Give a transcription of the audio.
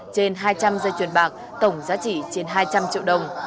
trên hai trăm linh dây chuyền bạc tổng giá trị trên hai trăm linh triệu đồng